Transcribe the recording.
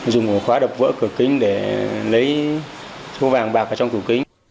dùng một khóa đập vỡ cửa kính để lấy trùm vàng bạc vào trong cửa kính